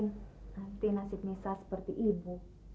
nanti nasib nisa seperti ibu